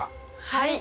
はい！